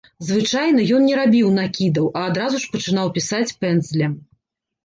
Звычайна ён не рабіў накідаў, а адразу ж пачынаў пісаць пэндзлем.